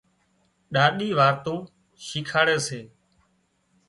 ڏاڏِي وارتائون شيکاڙي سي